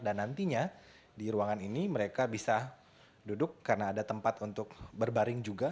dan nantinya di ruangan ini mereka bisa duduk karena ada tempat untuk berbaring juga